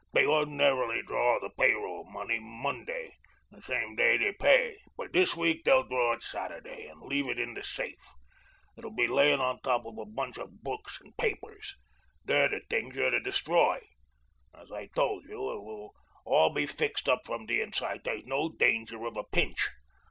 Dey ordinarily draw the payroll money Monday, the same day dey pay, but dis week they'll draw it Saturday and leave it in the safe. It'll be layin' on top of a bunch of books and papers. Dey're de t'ings you're to destroy. As I told you, it will all be fixed from de inside. Dere's no danger of a pinch.